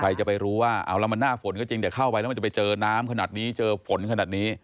ใครจะไปรู้ว่าเอาแล้วมันหน้าฝนก็จริงแต่เข้าไปแล้วมันจะไปเจอน้ำขนาดนี้เจอฝนขนาดนี้